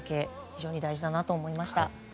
非常に大事だなと思いました。